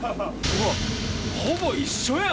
ほぼ一緒やん！